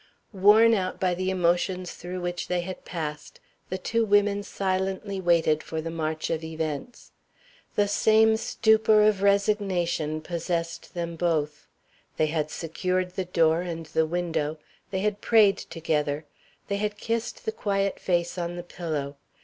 Worn out by the emotions through which they had passed, the two women silently waited for the march of events. The same stupor of resignation possessed them both. They had secured the door and the window. They had prayed together. They had kissed the quiet face on the pillow.